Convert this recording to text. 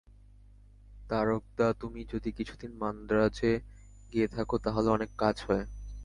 তারক-দা, তুমি যদি কিছুদিন মান্দ্রাজে গিয়ে থাক, তাহলে অনেক কাজ হয়।